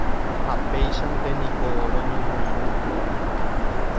Ha péichante niko roñomoirũkuri.